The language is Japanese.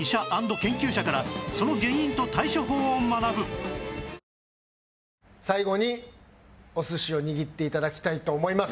丕劭蓮キャンペーン中最後にお寿司を握っていただきたいと思います。